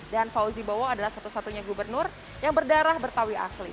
dan hauzi bowai adalah satu satunya gubernur yang berdarah bertawi akhli